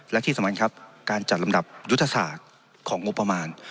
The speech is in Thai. และที่สำคัญครับการจัดลำดับยุทธศาสตร์ของงบประมาณ